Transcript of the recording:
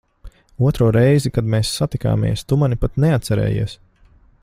Otro reizi, kad mēs satikāmies, tu mani pat neatcerējies.